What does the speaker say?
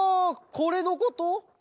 これのこと？